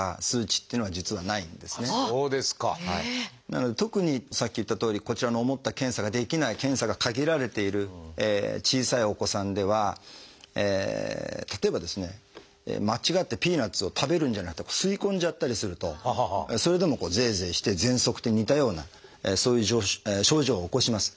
なので特にさっき言ったとおりこちらの思った検査ができない検査が限られている小さいお子さんでは例えばですね間違ってピーナツを食べるんじゃなくて吸い込んじゃったりするとそれでもゼーゼーしてぜんそくと似たようなそういう症状を起こします。